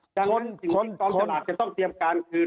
ดังนั้นสิ่งที่กองชนอาจจะต้องเตรียมการคือ